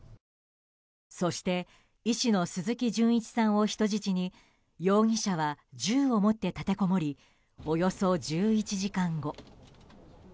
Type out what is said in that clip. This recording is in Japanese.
そして医師の鈴木純一さんを人質に容疑者は銃を持って立てこもりおよそ１１時間後。